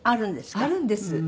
あるんです。